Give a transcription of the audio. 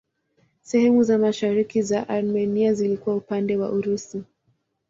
Sehemu za mashariki za Armenia zilikuwa upande wa Urusi.